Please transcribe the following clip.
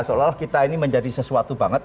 seolah olah kita ini menjadi sesuatu banget